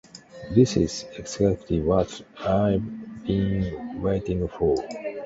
This is exactly what I've been waiting for